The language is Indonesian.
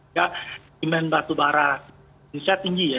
demand batu bara di indonesia tinggi ya